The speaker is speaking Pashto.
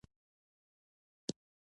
چې د درېو ښځې